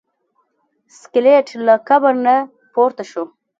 سکلیټ له قبر نه پورته شو.